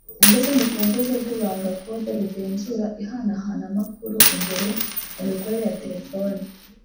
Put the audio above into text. ndetse n’urufunguzo rw’ibanga (code) rugenzura ihanahanamakuru imbere mu mikorere ya telefone